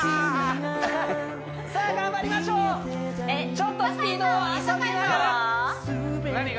さあ頑張りましょうちょっとスピードを急ぎながら何が？